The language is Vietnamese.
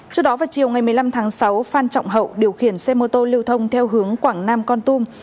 trước đó vào chiều ngày một mươi năm tháng sáu phan trọng hậu điều khiển xe mô tô lưu thông theo hướng quảng nam con tum